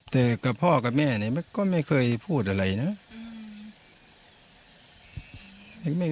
แต่กับพ่อกับแม่เนี่ยก็ไม่เคยพูดอะไรนะ